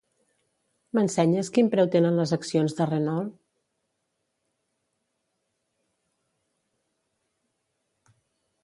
M'ensenyes quin preu tenen les accions de Renault?